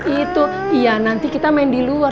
itu iya nanti kita main di luar